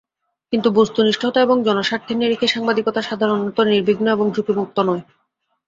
কিন্তু বস্তুনিষ্ঠতা এবং জনস্বার্থের নিরিখে সাংবাদিকতা সাধারণত নির্বিঘ্ন এবং ঝুঁকিমুক্ত নয়।